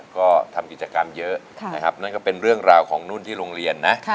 ก็ทำกิจกรรมเยอะนะครับนั่นก็เป็นเรื่องราวของนุ่นที่โรงเรียนนะ